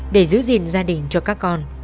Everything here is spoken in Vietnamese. để giữ gìn gia đình cho các con